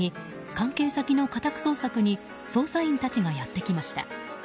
関係先の家宅捜索に捜査員たちがやってきました。